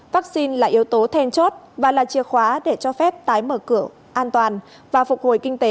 vaccine là yếu tố then chốt và là chìa khóa để cho phép tái mở cửa an toàn và phục hồi kinh tế